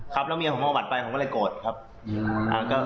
ครับแล้วเมียผมเอาหัดไปผมก็เลยโกรธครับ